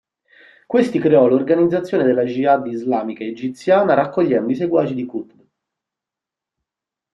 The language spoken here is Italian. Questi creò l'organizzazione della Jihad islamica egiziana raccogliendo i seguaci di Qutb.